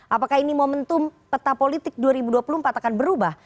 apakah ini momentum peta politik dua ribu dua puluh empat akan berubah